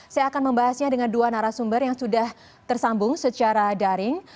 saya akan membahasnya dengan dua narasumber yang sudah tersambung secara daring